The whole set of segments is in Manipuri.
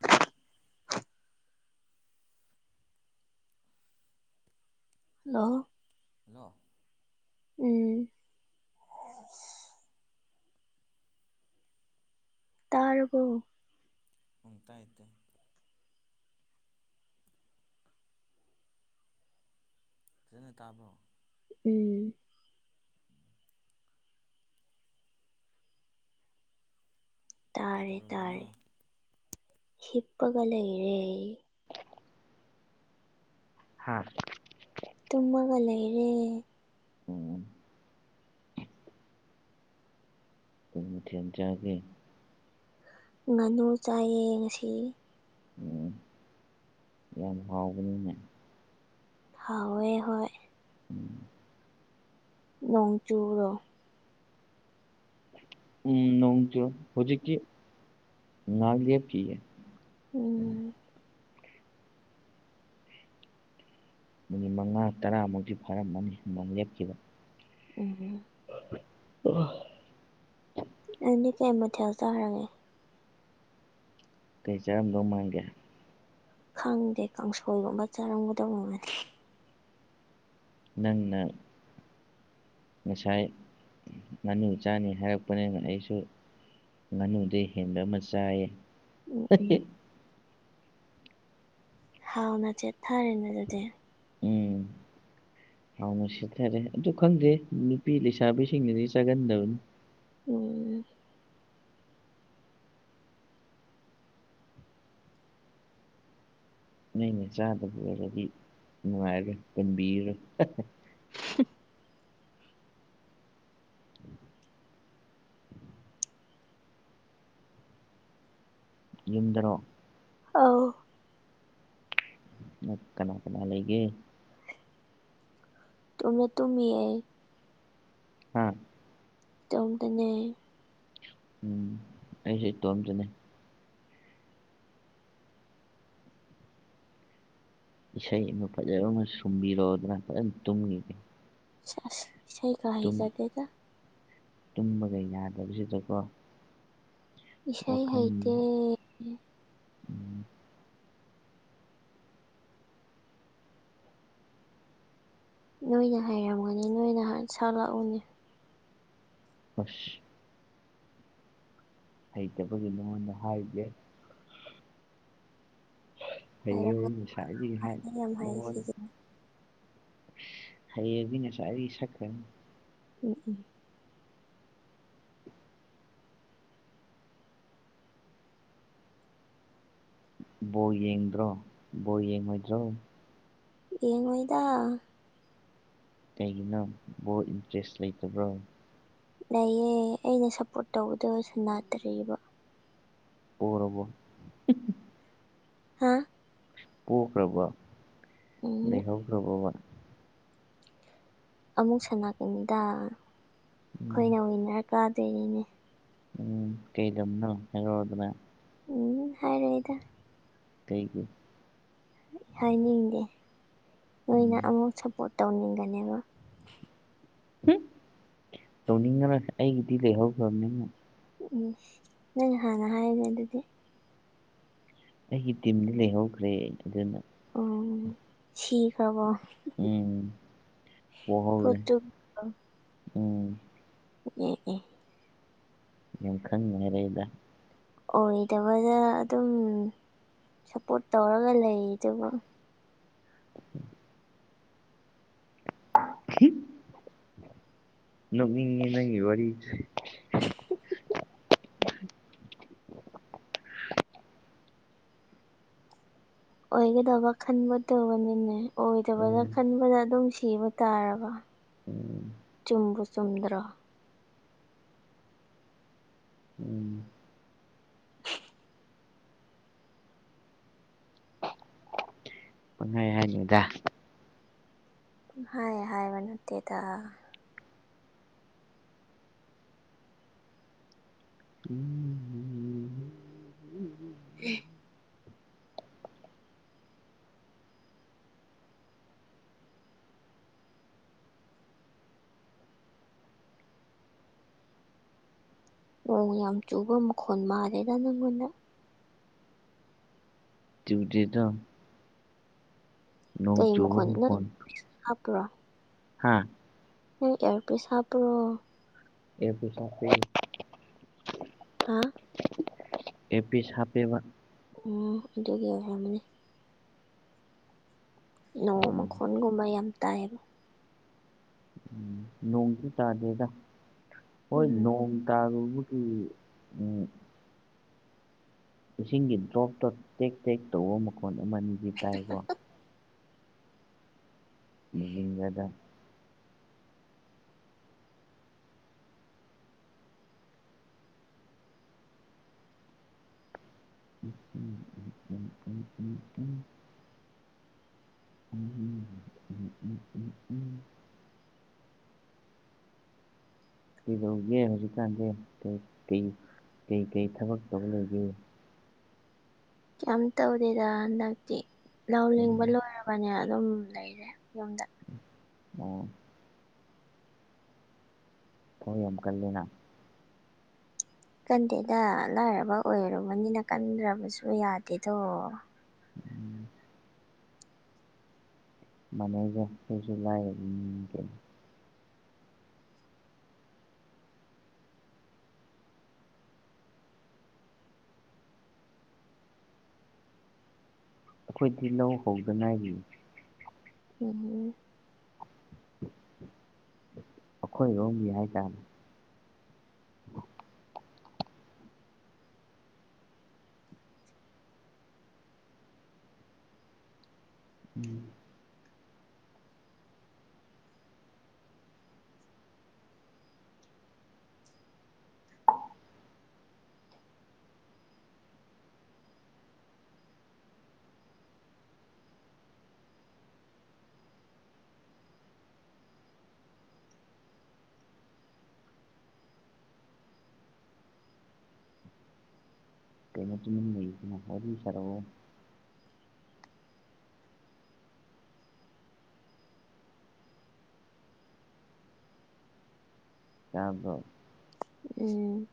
ꯍꯂꯣ ꯍꯜꯂꯣ ꯍꯜꯂꯣ ꯎꯝ ꯇꯥꯔꯕꯣ ꯑꯣ ꯇꯥꯏ ꯇꯥꯏ ꯐꯖꯅ ꯇꯥꯕꯔꯣ ꯎꯝ ꯇꯥꯔꯦ ꯇꯥꯔꯦ ꯀꯩꯗꯧꯔꯝꯃꯤꯅꯣ ꯍꯤꯞꯄꯒ ꯂꯩꯔꯦ ꯍꯥꯥ ꯇꯨꯝꯃꯒ ꯂꯩ ꯂꯩꯔꯦ ꯎꯝ ꯀꯥꯔꯤꯃꯊꯦꯜ ꯆꯒꯦ ꯉꯥꯅꯨ ꯆꯥꯏꯌꯦ ꯉꯥꯁꯤ ꯎꯝ ꯌꯥꯝ ꯍꯥꯎꯕꯅꯤꯅꯦ ꯍꯥꯎꯋꯦ ꯍꯣꯏ ꯎꯝ ꯅꯣꯡ ꯆꯨꯨꯕꯔꯣ ꯎꯝ ꯅꯣꯡ ꯀ ꯍꯧꯖꯤꯛꯀꯤ ꯉꯥꯛꯂꯦꯞꯂꯤꯌꯦ ꯎꯝ ꯃꯤꯅꯤꯠ ꯃꯉꯥ ꯇꯔꯥꯃꯨꯛꯇꯤ ꯐꯥꯔꯝꯃꯅꯤ ꯅ ꯂꯦꯞꯈꯤꯕ ꯎꯝ ꯑ ꯅꯪꯗꯤ ꯀꯩ ꯃꯊꯦꯜ ꯆꯥꯈꯔꯒꯦ ꯀꯩ ꯆꯥꯔꯝꯗꯧ ꯃꯥꯡꯒꯦ ꯈꯪꯗꯦ ꯀꯥꯡꯁꯣꯏꯒꯨꯝꯕ ꯆꯥꯔꯝꯒꯗꯕ ꯃ ꯃꯥꯜꯂꯤ ꯅꯪꯅꯪ ꯉꯁꯥꯏ ꯉꯥꯅꯨ ꯏꯆꯥꯅꯤ ꯍꯥꯏꯔꯛꯄꯅꯤꯅ ꯑꯩꯁꯨ ꯉꯥꯅꯨꯗꯤ ꯍꯦꯟꯕ ꯑꯃ ꯆꯥꯏꯌꯦ ꯎꯝ ꯎꯝ ꯍꯥꯎꯅ ꯆꯦꯊꯔꯦꯅ ꯑꯗꯨꯗꯤ ꯎꯝ [unintelligible] ꯍꯥꯎꯅ ꯁꯦꯠꯊꯔꯦ ꯑꯗꯨ ꯈꯪꯗꯦ ꯅꯨꯄꯤ ꯂꯩꯁꯥꯕꯤꯁꯤꯡꯅꯗꯤ ꯆꯥꯒꯟꯗꯕꯅꯤ ꯎꯝ ꯅꯅꯦ ꯆꯥꯗꯕ ꯑꯣꯏꯔꯗꯤ ꯅꯨꯡꯉꯥꯏꯔꯦ ꯄꯨꯟꯕꯤꯔꯣ ꯎ [unintelligible] ꯌꯨꯝꯗꯔꯣ ꯑꯥꯎ ꯅ ꯀꯅꯥ ꯀꯅꯥ ꯂꯩꯒꯦ ꯏꯇꯣꯝꯗ ꯇꯨꯃꯤꯌꯦ ꯍ ꯇꯣꯝꯗꯅꯦ ꯎꯝ ꯑꯩꯁꯨ ꯇꯣꯝꯇꯅꯦ ꯏꯁꯩ ꯑꯃ ꯐꯖꯕ ꯑꯃ ꯁꯨꯝꯕꯤꯔꯣꯑꯣ ꯑꯗꯨꯅ ꯐꯖꯅ ꯇꯨꯝꯒꯤꯒꯦ ꯏꯁꯩ ꯀ ꯍ ꯆꯗꯦꯗ ꯇꯨꯝꯕꯒꯩ ꯌꯥꯗꯕꯁꯤꯗꯀꯣ ꯏꯁꯁꯥꯏ ꯍꯥꯏꯩꯇ ꯋꯥꯈꯜꯁꯦ ꯎꯝ ꯅꯣꯏꯅ ꯍꯥꯏꯩꯔꯝꯒꯅꯤ ꯅꯣꯏꯅ ꯁꯥꯠꯂꯛꯎꯅꯦ ꯍꯁ ꯍꯩꯇꯕꯒꯤ ꯅꯉꯣꯟꯗ ꯍꯥꯏꯒꯦ ꯍꯩꯌꯦ ꯍꯩꯔꯝꯒꯅꯤ ꯅꯨꯡꯁꯥꯗꯤ ꯌꯥꯝ ꯍꯩ ꯍꯥꯏꯣꯏ ꯁꯤꯁꯦ ꯍꯥꯏꯌꯦꯗꯤ ꯉꯁ ꯆꯈ꯭ꯔ ꯎꯝ ꯎꯝ ꯕꯣ ꯌꯦꯡꯗ꯭ꯔꯣ ꯕꯣ ꯌꯦꯡꯉꯣꯏꯗ꯭ꯔꯣ ꯌꯦꯡꯉꯣꯏꯗ ꯀꯩꯒꯤꯅ ꯕꯣꯠ ꯏꯟꯇꯔꯦꯁ ꯂꯩꯇꯕ꯭ꯔꯣ ꯂꯩꯌꯦꯦ ꯑꯩꯅ ꯁꯞꯄꯣꯔꯠ ꯇꯧꯕꯗꯁꯨ ꯅꯥꯗ꯭ꯔꯑꯕ ꯑꯣꯔꯕꯔꯕꯣ ꯍꯥꯥ ꯄꯈ꯭ꯔꯕ ꯎꯝ ꯂꯩꯍꯧꯈ꯭ꯔꯕꯕ ꯑꯃꯨꯛ ꯁꯅꯥꯀꯅꯤꯗ ꯎꯝ ꯑꯩꯈꯣꯏꯅ ꯋꯤꯟꯅꯔ ꯀꯥꯗꯣꯏꯔꯤꯅꯦ ꯎꯝ ꯀꯩꯔꯝꯅ ꯍꯥꯏꯗ꯭ꯔ ꯎꯝ ꯍꯥꯏꯔꯣꯏꯗ ꯀꯩꯒꯤ ꯍꯥꯏꯅꯤꯡꯗꯦ ꯅꯣꯏꯅ ꯎꯝ ꯑꯃꯨꯛ ꯁꯞꯄꯣꯔꯠ ꯇꯧꯅꯤꯡꯒꯅꯦꯕ ꯇꯧꯅꯤꯡꯉ꯭ꯔ ꯑꯩꯒꯤꯗꯤ ꯂꯩꯍꯧꯈ꯭ꯔꯕꯅꯤ ꯎꯝ ꯅꯣꯏ ꯍꯥꯟꯅ ꯍꯥꯏꯔꯒꯦ ꯑꯗꯨꯗꯤ ꯑꯩꯒꯤ ꯇꯤꯝꯗꯤ ꯂꯩꯍꯧꯈ꯭ꯔꯦ ꯑꯗꯨꯅ ꯑꯣ ꯁꯤꯈ꯭ꯔꯕꯣ ꯎꯝ ꯄꯣꯍꯔꯦ ꯄꯣꯔꯇꯨꯒꯜ ꯎꯝ ꯑꯣ ꯑꯣ ꯌꯦꯈ ꯉꯔꯦꯗ ꯑꯣꯏꯗꯕꯗ ꯑꯗꯨꯝ ꯁꯞꯄꯣꯔꯠ ꯇꯧꯔꯒ ꯂꯩ ꯑꯗꯨꯕꯨ ꯐꯈꯤ ꯅꯣꯛꯅꯤꯡꯉꯤ ꯅꯪꯒꯤ ꯋꯥꯔꯤꯦ ꯑꯣꯏꯒꯗꯕ ꯈꯟꯕ ꯇꯧꯕꯅꯤꯅꯦ ꯑꯣꯏꯗꯕꯗ ꯎꯝ ꯈꯟꯕꯗ ꯑꯗꯨꯝ ꯁꯤꯕ ꯇꯥꯔꯔꯕ ꯎꯝ ꯇꯨꯝꯕꯨꯨ ꯁꯨꯝꯗ꯭ꯔ ꯎꯝ [inaudible] ꯊꯗ ꯍꯥꯏ ꯍꯥꯏꯕ ꯅꯠꯇꯦꯗ ꯎꯝꯝ ꯎꯝ ꯅꯣꯡ ꯌꯥꯝ ꯆꯨꯕ ꯃꯈꯣꯟꯜ ꯃꯥꯜꯂꯦꯗ ꯅꯪꯉꯣꯟꯗ ꯭ꯌꯨꯗꯤꯤꯗꯣ ꯀꯩ ꯆꯨꯕ ꯃꯈꯣꯟ ꯅꯪ ꯍꯥꯞꯄ꯭ꯔꯣ ꯍꯥꯥ ꯅ ꯑꯦꯔ ꯄ ꯁꯥ ꯍꯥꯕ꯭ꯔꯣ ꯑꯦ ꯄꯁꯣꯁꯤ ꯍꯥ ꯑꯦ ꯄ ꯁꯥ ꯍꯥꯞꯄꯦꯕ ꯎꯝ ꯑꯗꯨꯒꯤ ꯑꯣꯏꯔꯝꯃꯅꯦ ꯅꯣꯡ ꯎꯝ ꯃꯈꯣꯟꯜꯒꯨꯝꯕ ꯌꯥꯝ ꯇꯥꯏꯑꯕ ꯎꯝ ꯅꯣꯡꯗꯤ ꯇꯥꯗꯦꯗ ꯍꯣꯏ ꯎꯝ ꯅꯣꯡ ꯒꯃꯀꯤ ꯎ ꯏꯁꯤꯡꯒꯤ ꯗ꯭ꯔꯣꯞꯇꯣ ꯇꯦꯛ ꯇꯦꯛ ꯇꯧꯕ ꯃꯈꯣꯟ ꯑꯃꯅꯤ ꯑꯅꯤꯗꯤ ꯇꯥꯏꯀꯣ ꯅꯤꯡꯕꯗ ꯎꯝ ꯎꯝ ꯎꯝ ꯎꯝ ꯎꯝ ꯎꯝ ꯎꯝ ꯎꯝ ꯎꯝ ꯀꯗꯧꯔꯤꯒꯦ ꯍꯧꯖꯤꯛꯀꯥꯟꯗꯤ ꯀꯩ ꯀꯩ ꯀꯩ ꯊꯕꯛ ꯇꯧꯔ ꯂꯩꯒꯦ ꯀꯩꯝ ꯇꯧꯗꯦꯗ ꯍꯟꯗꯛꯇꯤ ꯂꯧ ꯂꯤꯡꯕ ꯎꯝ ꯂꯣꯏꯔꯕꯣ ꯐꯣꯟ ꯌꯦꯡꯉ ꯑꯗꯨꯝ ꯂꯩꯔꯦ ꯌꯨꯝꯗ ꯑꯣ ꯊꯕꯛ ꯌꯥꯝ ꯀꯜꯂꯤꯅ ꯀꯟꯗꯦꯗ ꯂꯥꯏꯔꯕ ꯑꯣꯏꯔꯨꯕꯅꯤꯅ ꯀꯟꯗ꯭ꯔꯕꯁꯨ ꯌꯥꯗꯦꯗꯣ ꯎꯝ ꯃꯥꯟꯅꯩꯗ ꯑꯩꯈꯣꯢꯁꯨ ꯂꯥꯏꯔꯕ ꯃꯤꯅꯤ ꯀꯩꯅꯣ ꯑꯩꯈꯣꯏꯗꯤ ꯂꯧ ꯍꯧꯗ ꯉꯥꯏꯔꯤ ꯎꯝ ꯑꯩꯈꯣꯏꯔꯣꯝꯒꯤ ꯍꯥꯏꯇꯥꯔꯦ ꯎꯝ ꯀꯩꯅ ꯁꯔꯣ ꯀꯗꯣ ꯎꯝ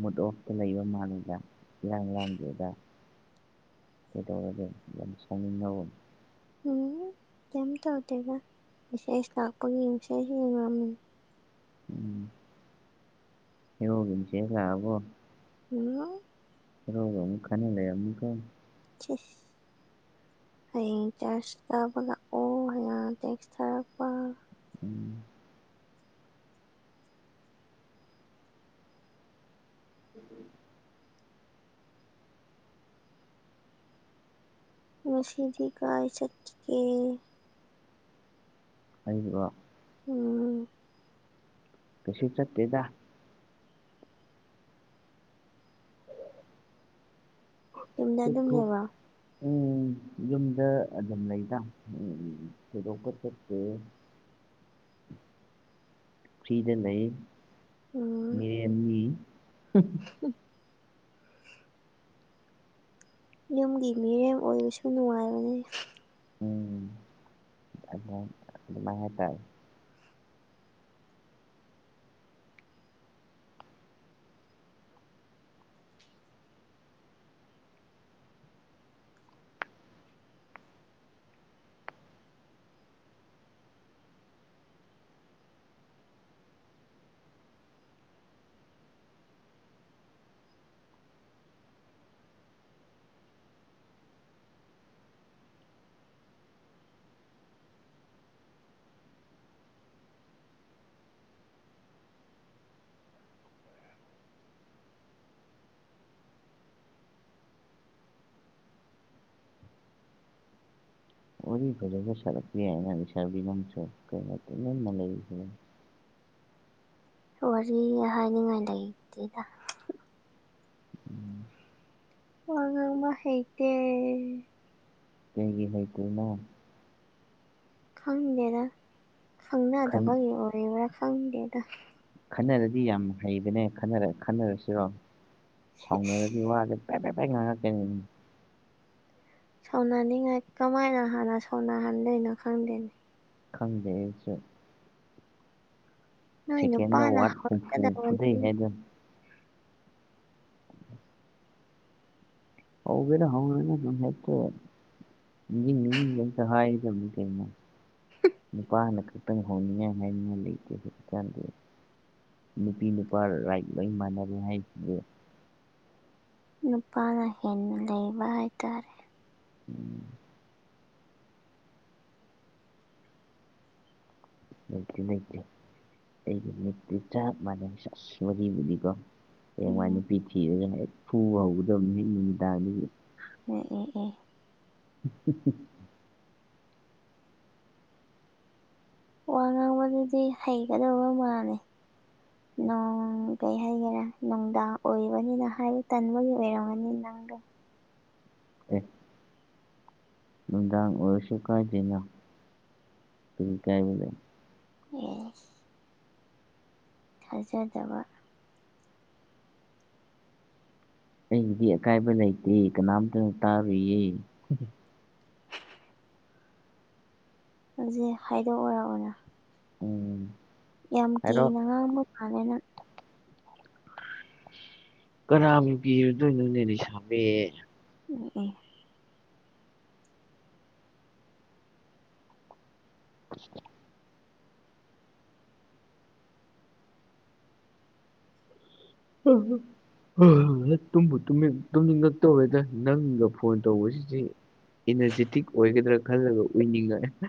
ꯃꯨꯠ ꯑꯣꯐꯇ ꯂꯩꯕ ꯃꯥꯂꯨꯗ ꯏꯔꯥꯡ ꯂꯥꯡꯗꯦꯗ ꯀꯗꯧ ꯑꯗꯨ ꯌꯥꯝ ꯁꯣꯡꯍ ꯅꯕꯨꯝ ꯎꯝ ꯀꯩꯝ ꯇꯧꯗꯦꯗ ꯃꯦꯁꯦꯖ ꯂꯥꯛꯄꯒꯤ ꯃꯦꯁꯦꯖ ꯌꯦꯡꯉꯝꯃꯤꯅꯤ ꯎꯝ ꯍꯉꯒꯤꯁꯤꯦꯂ ꯑꯕꯣ ꯎꯝ ꯔꯧ ꯔꯣ ꯃꯨ ꯈꯅꯦ ꯂꯩ ꯑꯃꯨꯀꯣ ꯑ ꯍꯌꯦꯡ ꯆꯔꯁ ꯀꯥꯕ ꯂꯥꯛꯑꯣ ꯍꯥꯏꯅ ꯇꯦꯛꯁ ꯊꯥꯔꯛꯄ ꯎꯝ ꯎꯝ ꯉꯁꯤꯗꯤ ꯀꯥꯏ ꯆꯠ ꯀꯦ ꯑꯩꯕꯨꯔꯣ ꯎꯝ ꯀꯔꯤꯁꯨ ꯆꯠꯇꯦꯗ ꯌꯨꯝꯗ ꯊꯨꯛ ꯑꯗꯨꯝ ꯊꯨꯛ ꯂꯩꯕ꯭ꯔꯣ ꯎꯝ ꯌꯨꯝꯗ ꯑꯗꯨꯝ ꯂꯩꯗ ꯎꯝ ꯊꯣꯏꯗꯣꯛꯄ ꯆꯠꯇꯦ [inaudible] ꯐꯔꯤꯗ ꯂꯩ ꯎꯝ ꯃꯤꯔ꯭ꯦꯝꯅꯤ ꯎꯝ ꯌꯨꯝꯒꯤ ꯃꯤꯔꯦꯝ ꯑꯣꯏꯕꯁꯨ ꯅꯨꯡꯉꯥꯏꯕꯅꯤ ꯎꯝ ꯑꯗꯨ ꯑꯗꯨꯃꯥꯏ ꯍꯥꯏ ꯇꯥꯔꯦ ꯋꯥꯔꯤ ꯐꯖꯅ ꯁꯥꯔꯛꯇꯦ ꯅꯪꯁꯨ ꯂꯩꯁꯥꯕꯤ ꯅꯡꯁꯨ ꯀꯩꯅꯣ ꯇꯨꯃꯤꯟꯅ ꯂꯩ ꯋꯥꯔꯤ ꯍꯥꯏꯅꯤꯡꯉꯥꯏ ꯂꯩꯇꯦꯗ ꯎꯝ ꯋꯥ ꯉꯥꯡꯕ ꯍꯩꯇꯦ ꯍꯌꯦꯡꯒꯤ ꯅꯣꯏ ꯀꯔꯤ ꯈꯪꯗꯦꯗ ꯈꯟ ꯈꯪꯅꯗꯕꯒꯤ ꯑꯣꯏꯔꯤꯕ꯭ꯔꯥ ꯈꯪꯗꯦꯗ ꯈꯟꯅꯔꯗꯤ ꯌꯥꯝ ꯍꯩꯕꯅꯦ ꯈꯔ ꯈꯟꯅꯔꯁꯤꯔꯣ ꯁꯥꯎꯅꯔꯗꯤ ꯋꯥꯗ ꯄꯔꯦ ꯄꯔꯦ ꯄꯔꯦ ꯉꯥꯡꯉꯛꯀꯅꯤ ꯁꯥꯎꯅꯅꯤꯡꯉꯥꯏ ꯀꯃꯥꯏꯅ ꯍꯥꯟꯅ ꯁꯥꯎꯅꯍꯟꯗꯣꯏꯅꯣ ꯈꯪꯗꯦꯅꯦ ꯈꯪꯗꯦ ꯑꯩꯁꯨ ꯅꯣꯏ ꯁꯦꯀꯦꯟꯗ ꯅꯨꯄꯥꯅ ꯋꯥꯔꯗ ꯍꯨꯝꯐꯨ ꯐꯨꯗꯩ ꯍꯧꯔꯛꯀꯗꯕꯅꯤ ꯍꯥꯏꯗꯅ ꯍꯧꯕꯦꯔ ꯍꯧꯔꯅꯤꯗꯨꯝ ꯍꯦꯛꯇ ꯅꯤꯖꯤꯡ ꯅꯤꯖꯤꯡ ꯍꯦꯛꯇꯥ ꯍꯥꯏꯒꯗꯕꯅꯤ ꯀꯩꯅꯣ ꯅꯤꯄꯥꯅ ꯈꯛꯇ ꯍꯧꯅꯤ ꯍꯥꯏ ꯅꯤꯡꯉꯥꯏ ꯂꯩꯇꯦ ꯀꯩꯅꯣ ꯅꯨꯄꯤ ꯅꯨꯄꯥ ꯔꯥꯏꯠ ꯂꯣꯏ ꯃꯥꯟꯅꯔꯦ ꯍꯥꯏꯔꯤꯗꯨꯗꯤ ꯅꯨꯄꯥꯅ ꯍꯦꯟꯅ ꯂꯩꯕ ꯍꯥꯏꯇꯥꯔꯦ ꯎꯝ ꯂꯩꯇꯦ ꯂꯩꯇꯦ ꯑꯩꯒꯤ ꯃꯤꯠꯇꯤ ꯆꯞ ꯃꯥꯟꯅꯩ ꯑꯥꯁ ꯋꯥꯔꯤꯕꯨꯅꯤ ꯀꯣ ꯍꯌꯦꯡꯋꯥꯏꯅ ꯎꯝ ꯅꯨꯄꯤꯊꯤꯔꯒ ꯍꯦꯛ ꯐꯨꯕ ꯍꯧꯒꯗꯕꯅꯤ ꯅꯨꯃꯤꯗꯥꯡꯗꯒꯤ ꯑꯦ ꯑꯦ ꯑꯦ ꯎ ꯎ ꯎ ꯋꯥ ꯉꯥꯡꯕꯗꯨꯗꯤ ꯍꯩꯒꯗꯕ ꯃꯥꯜꯂꯦ ꯅꯣꯡ ꯀꯩ ꯍꯥꯏꯒꯦꯔꯥ ꯅꯨꯡꯗꯥꯡ ꯑꯣꯏꯕꯅꯤꯅ ꯍꯥꯏꯕ ꯇꯟꯕꯒꯤ ꯑꯣꯏꯔꯝꯒꯅꯤ ꯅꯪꯗꯣ ꯑꯦ ꯅꯨꯡꯗꯥꯡ ꯑꯣꯏꯁꯨ ꯀꯥꯏꯗꯦꯗ ꯀꯔꯤ ꯀꯥꯏꯕ ꯂꯩ ꯑꯦꯁ ꯊꯥꯖꯗꯕ ꯑꯩꯒꯤꯗꯤ ꯑꯀꯥꯏꯕ ꯂꯩꯇꯦ ꯀꯅꯥꯝꯇꯅ ꯇꯥꯔꯣꯏꯌꯦ ꯍꯧꯖꯤꯛ ꯍꯥꯏꯗꯣꯛꯑꯣꯔ ꯎꯝ ꯌꯥꯝ ꯍꯥꯏꯔꯣ ꯀꯤꯅ ꯉꯥꯡꯕ ꯃꯥꯜꯂꯦ ꯅꯪ ꯀꯅꯥꯕꯨ ꯀꯤꯔꯨꯗꯣꯏꯅꯣꯅꯦ ꯂꯩꯁꯥꯕꯤ ꯎꯝ ꯎꯝ [unintelligible] ꯎꯝ ꯇꯨꯝꯕꯨ ꯇꯨꯝꯅꯤꯡꯉꯛꯇꯧꯔꯦꯗ ꯅꯪꯒ ꯐꯣꯟ ꯇꯧꯕꯁꯤꯗꯤ ꯏꯅꯔꯖꯤꯇꯤꯛ ꯑꯣꯏꯒꯗ꯭ꯔꯥ ꯈꯜꯂꯒ ꯎꯏꯅꯤꯡꯉꯥꯛ ꯑ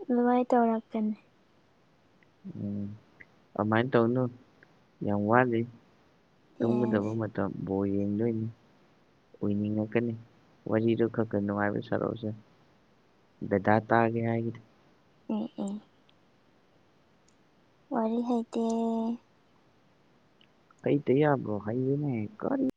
ꯑꯗꯨꯃꯥꯏꯅ ꯇꯧꯔꯛꯀꯅꯤ ꯎꯝ ꯑꯗꯨꯃꯥꯏꯅ ꯇꯧꯅꯨ ꯌꯥꯝ ꯋꯥꯠꯂꯤ ꯇꯨꯝꯒꯗꯕ ꯑꯦꯁ ꯃꯇꯝ ꯕꯣꯜ ꯌꯦꯡꯗꯣꯏꯅꯤ ꯑꯣꯏꯅꯤꯡꯉꯛꯀꯅꯤ ꯋꯥꯔꯤꯗꯣ ꯈꯒꯥ ꯅꯨꯡꯉꯥꯏꯕ ꯁꯥꯔꯛ ꯑꯣꯁꯦ ꯗꯗꯥꯥ ꯇꯒꯦ ꯍꯥꯏꯒꯦꯗꯤ ꯑꯣ ꯑꯣ ꯋꯥꯔꯤ ꯍꯩꯇꯦ ꯀꯩꯇꯥ ꯌꯥꯕꯔꯣ ꯍꯩꯌꯨꯅꯦ ꯀꯔꯤꯅꯣ